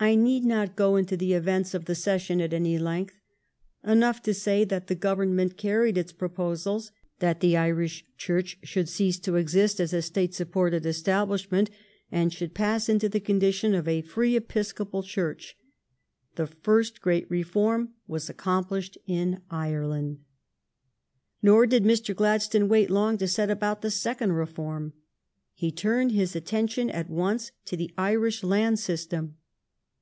I need not go into the events of the session at any length. Enough to say that the Government carried its proposals that the Irish Church should cease to exist as a State supported establishment, and should pass into the condition of a free episcopal church. The first great reform was accomplished in Ireland. Nor did Mr. Gladstone wait long to set about the second reform. He turned his attention at once to the Irish land system.